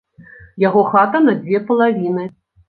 Яго хата на дзве палавіны.